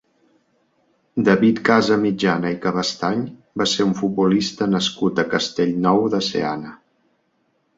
David Casamitjana i Cabestany va ser un futbolista nascut a Castellnou de Seana.